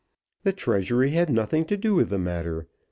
The Treasury had nothing to do with the matter.